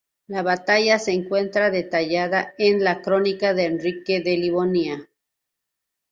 La batalla se encuentra detallada en la crónica de Enrique de Livonia.